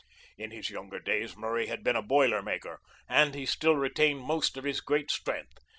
In his younger days Murray had been a boiler maker, and he still retained most of his great strength.